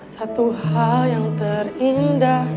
satu hal yang terindah